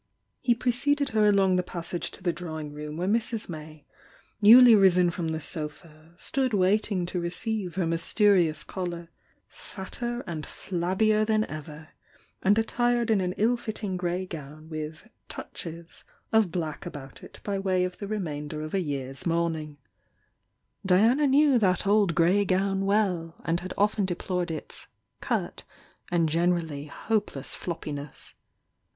He preceded her along the passage to the drawing room where Mrs. May, newly risen from the sofa, stood waiting to receive her mysterious caller, — fat ter and flabbier than ever, and attired in an ill fitting grey gown with "touches" of black about it by way of the remainder of a year's mourning. Di 22 888 THE YOUNG DIANA ana knew that old grey gown well, and had often deplored its "cut" and generally hopeless floppiness.